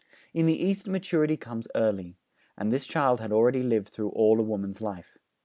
In the East maturity comes early; and this child had already lived through all a woman's life.